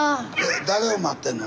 誰を待ってんの？